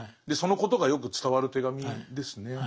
でそのことがよく伝わる手紙ですね。